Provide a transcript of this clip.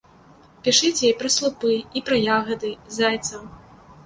Пішыце і пра слупы, і пра ягады, зайцаў.